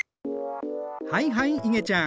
はいはいいげちゃん。